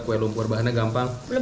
kue lumpur bahannya gampang